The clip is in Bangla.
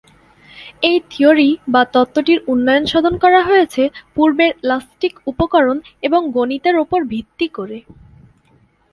এই থিওরি বা তত্ত্বটির উন্নয়ন সাধন করা হয়েছে পূর্বের ইলাস্টিক উপকরণ এবং গণিতের উপর ভিত্তি করে।